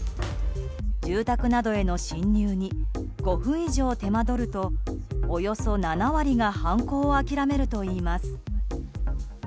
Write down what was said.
住宅などへの侵入に５分以上手間どるとおよそ７割が犯行を諦めるといいます。